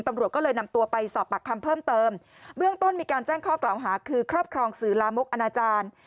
ตำรวจก็เลยนำตัวไปสอบปากคำเพิ่มเติมเบื้องต้นมีการแจ้งข้อกล่าวหาคือครอบครองสื่อลามกอนาจารย์